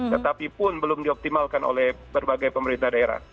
tetapi pun belum dioptimalkan oleh berbagai pemerintah daerah